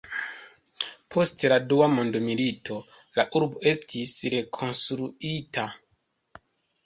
Post la dua mondmilito, la urbo estis rekonstruita.